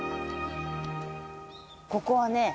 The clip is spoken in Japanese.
ここはね